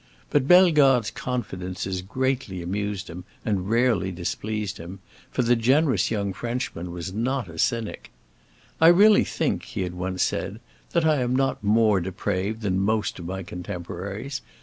But Bellegarde's confidences greatly amused him, and rarely displeased him, for the generous young Frenchman was not a cynic. "I really think," he had once said, "that I am not more depraved than most of my contemporaries.